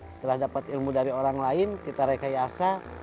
setelah dapat ilmu dari orang lain kita rekayasa